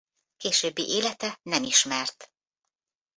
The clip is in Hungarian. Későbbi élete nem ismert.